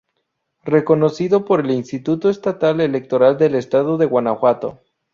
Reconocido por el Instituto Estatal Electoral del Estado de Guanajuato.